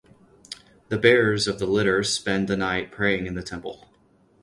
The bearers of the litter spend the night praying in a temple.